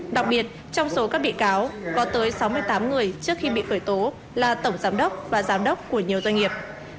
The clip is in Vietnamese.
đặc biệt trong số các bị cáo có tới sáu mươi tám người trước khi bị khởi tố là tổng giám đốc và giám đốc của nhiều doanh nghiệp